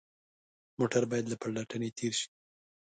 موټر باید له پلټنې تېر شي.